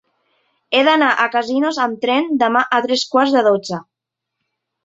He d'anar a Casinos amb tren demà a tres quarts de dotze.